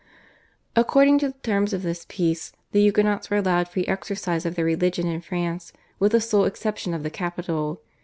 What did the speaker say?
According to the terms of this Peace the Huguenots were allowed free exercise of their religion in France with the sole exception of the capital.